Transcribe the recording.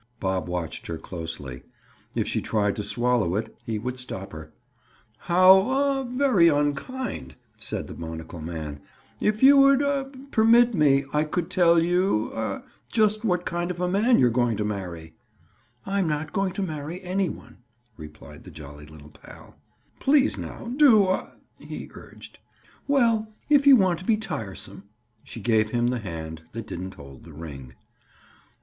Bob watched her closely. If she tried to swallow it, he would stop her. "How—aw!—very unkind!" said the monocle man. "If you would—aw!—permit me, I could tell you—? aw!—just what kind of a man you're going to marry." "I'm not going to marry any one," replied the jolly little pal. "Please now, do—aw!" he urged. "Well, if you want to be tiresome." She gave him the hand that didn't hold the ring.